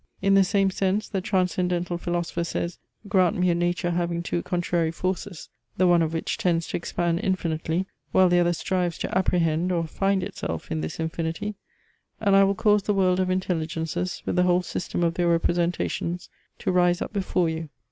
In the same sense the transcendental philosopher says; grant me a nature having two contrary forces, the one of which tends to expand infinitely, while the other strives to apprehend or find itself in this infinity, and I will cause the world of intelllgences with the whole system of their representations to rise up before you.